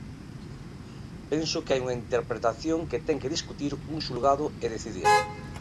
Penso que hai unha interpretación que ten que discutir un xulgado e decidir.